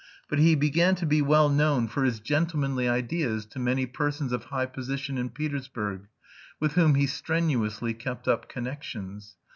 But he began to be well known for his "gentlemanly" ideas to many persons of high position in Petersburg, with whom he strenuously kept up connections.